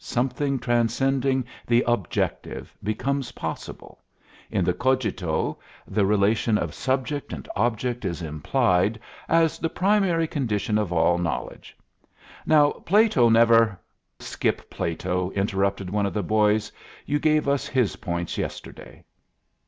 Something transcending the Objective becomes possible. In the Cogito the relation of subject and object is implied as the primary condition of all knowledge. Now, Plato never " "Skip Plato," interrupted one of the boys. "You gave us his points yesterday."